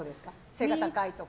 背が高いとか。